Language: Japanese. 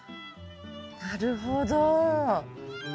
なるほど。